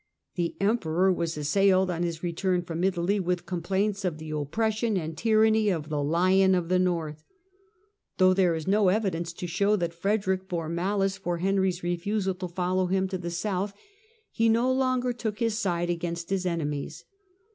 The Emperor was assailed, on his return from Italy, with complaints of the oppression and tyranny of the " Lion of the North." Though there is no evidence . to show that Frederick bore malice for Henry's refusal to follow him to the south, he no longer took his Fall of side against his enemies.